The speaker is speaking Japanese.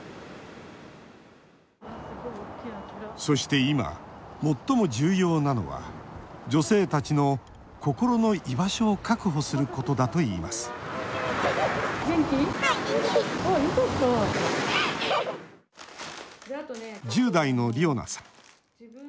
そして今、最も重要なのは女性たちの心の居場所を確保することだといいます１０代のりおなさん。